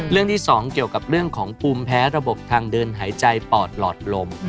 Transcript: เรื่องที่๒เกี่ยวกับเรื่องของภูมิแพ้ระบบทางเดินหายใจปอดหลอดลม